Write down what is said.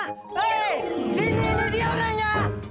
hei ini dia orangnya